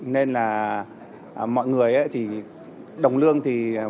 nên là mọi người thì